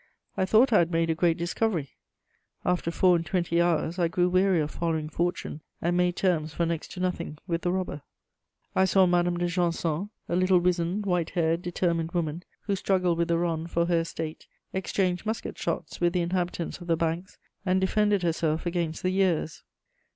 I thought I had made a great discovery: after four and twenty hours, I grew weary of following fortune, and made terms for next to nothing with the robber. I saw Madame de Janson, a little wizened, white haired, determined woman, who struggled with the Rhone for her estate, exchanged musket shots with the inhabitants of the banks, and defended herself against the years.